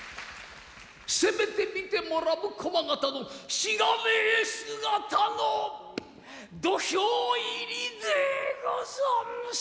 せめて見て貰う駒形のしがねぇ姿の土俵入りでござんす。